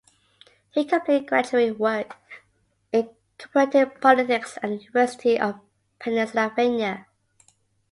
He completed graduate work in comparative politics at the University of Pennsylvania.